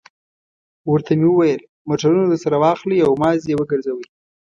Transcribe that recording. ورته مې وویل: موټرونه درسره واخلئ او مازې یې وګرځوئ.